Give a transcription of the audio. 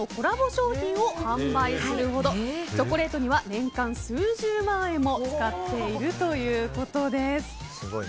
商品を販売するほどチョコレートには年間数十万円も使っているということです。